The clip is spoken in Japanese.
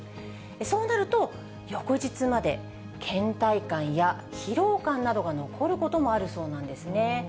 そうなると、翌日までけん怠感や疲労感などが残ることもあるそうなんですね。